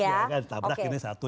ya kan ditabrak ini satu